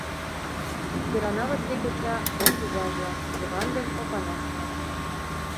Кӧрана Васли коча кок изажлан — Йыван ден Опанаслан.